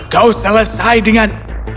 kau selesai dengan